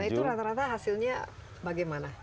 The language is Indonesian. nah itu rata rata hasilnya bagaimana